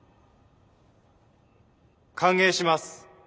・歓迎します